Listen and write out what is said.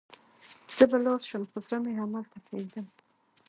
زه به لاړ شم، خو زړه مې همدلته پرېږدم.